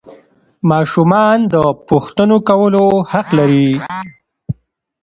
ماشومان د پوښتنو کولو حق لري